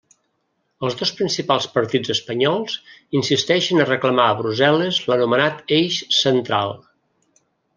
Els dos principals partits espanyols insisteixen a reclamar a Brussel·les l'anomenat eix central.